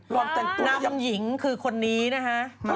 รอบแต่คุณนางหุ้มหญิงคือคนนี้นะฮะ